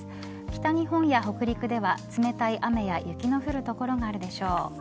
北日本や北陸では冷たい雨や雪の降る所があるでしょう。